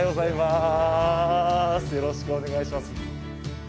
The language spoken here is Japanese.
よろしくお願いします。